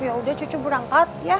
yaudah cucu berangkat ya